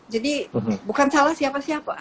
jadi bukan salah siapa siapa